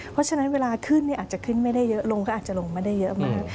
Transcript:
เพราะฉะนั้นเวลาขึ้นอาจจะขึ้นไม่ได้เยอะลงก็อาจจะลงไม่ได้เยอะมาก